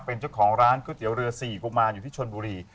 เป็นเจ้าของร้านก๋วยเตี๋ยวเรือ๔กุมารอยู่ที่ชนบุรี